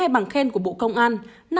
một mươi hai bằng khen của bộ công an